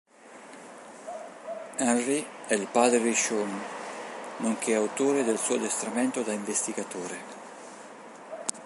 Henry è il padre di Shawn, nonché autore del suo addestramento da investigatore.